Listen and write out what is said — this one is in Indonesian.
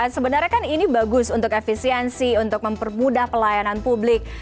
sebenarnya kan ini bagus untuk efisiensi untuk mempermudah pelayanan publik